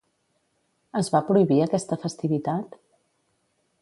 Es va prohibir aquesta festivitat?